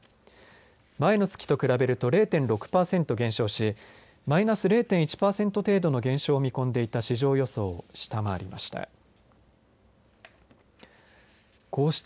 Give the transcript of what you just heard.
前の月と比べると０．６パーセント減少しマイナス０．１パーセント程度の減少を見込んでいた市場予想を下回りました。